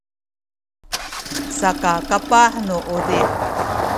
saka kapah nu uzip